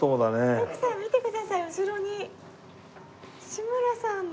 徳さん見てください後ろに志村さんの。